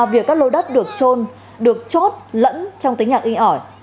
việc các lô đất được trôn được chốt lẫn trong tính nhạc in ỏi